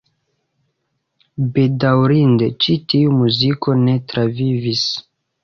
Bedaŭrinde ĉi tiu muziko ne travivis.